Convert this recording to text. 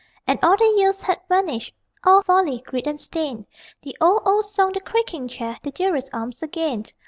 And all the years had vanished, All folly, greed, and stain The old, old song, the creaking chair, The dearest arms again!